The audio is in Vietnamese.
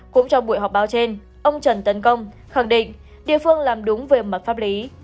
cũng trong buổi họp báo trên ông trần tấn công khẳng định địa phương làm đúng về mặt pháp lý